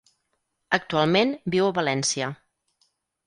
Actualment viu a València.